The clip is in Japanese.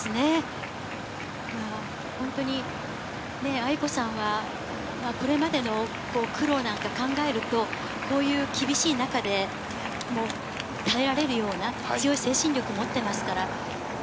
亜由子さんはこれまでの苦労なんかを考えると、こういう厳しい中で耐えられるような強い精神力を持っていますから。